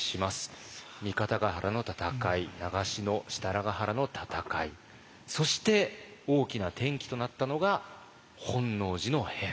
三方ヶ原の戦い長篠・設楽原の戦いそして大きな転機となったのが本能寺の変。